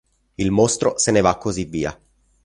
Il mostro se ne va così via.